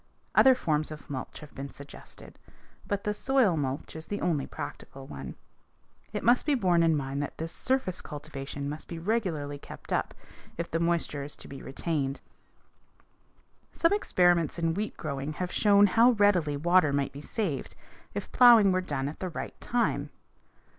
Other forms of mulch have been suggested, but the soil mulch is the only practical one. It must be borne in mind that this surface cultivation must be regularly kept up if the moisture is to be retained. [Illustration: FIG. 284. THE DISK HARROW] Some experiments in wheat growing have shown how readily water might be saved if plowing were done at the right time.